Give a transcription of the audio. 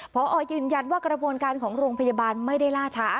พอยืนยันว่ากระบวนการของโรงพยาบาลไม่ได้ล่าช้า